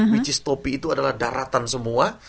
which is topi itu adalah daratan semua